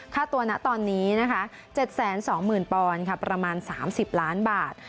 ค่าตัวนะตอนนี้นะคะ๗๒๐๐๐ปอนด์ค่ะประมาณ๓๐ล้านบาท